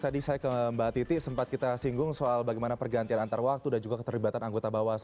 tadi saya ke mbak titi sempat kita singgung soal bagaimana pergantian antar waktu dan juga keterlibatan anggota bawaslu